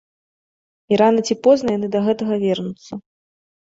І рана ці позна яны да гэтага вернуцца.